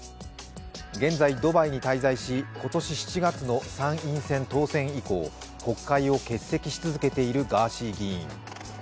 現在ドバイに滞在し、今年７月の参議院選当選以降、国会を欠席し続けているガーシー議員。